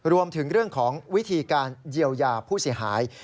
รวมถึงเรื่องของวิธีการเยียวยาผู้เสียหาย